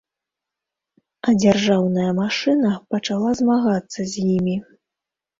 А дзяржаўная машына пачала змагацца з імі.